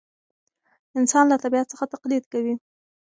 انسان له طبیعت څخه تقلید کوي.